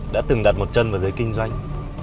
đã từng đặt một chân vào giới kinh doanh